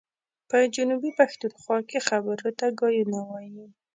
په جنوبي پښتونخوا کي خبرو ته ګايونه وايي.